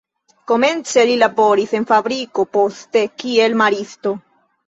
Komence li laboris en fabriko, poste kiel maristo.